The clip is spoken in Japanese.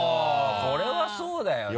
これはそうだよな。